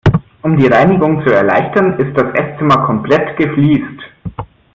Um die Reinigung zu erleichtern, ist das Esszimmer komplett gefliest.